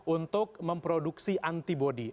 untuk memproduksi antibody